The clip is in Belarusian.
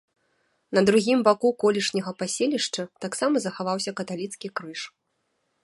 На другім баку колішняга паселішча таксама захаваўся каталіцкі крыж.